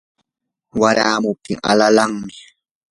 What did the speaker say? wayramuptin alalanmi.